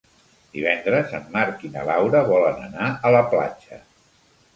Divendres en Marc i na Laura volen anar a la platja.